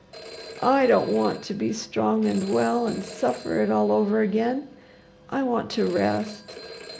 "I don't want to be strong and well and suffer it all over again. I want to rest.